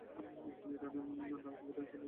তিনি ইরানের নারী সংগঠনের সাথে জড়িত ছিলেন।